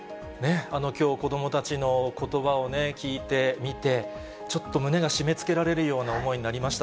きょう、子どもたちのことばを聞いて、見て、ちょっと胸が締めつけられるような思いになりました。